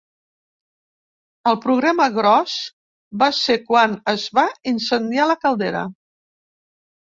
El problema gros va ser quan es va incendiar la caldera.